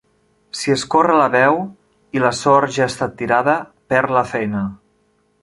Si es corre la veu, i la sort ja ha estat tirada, perd la feina.